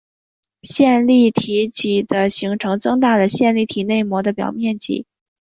线粒体嵴的形成增大了线粒体内膜的表面积。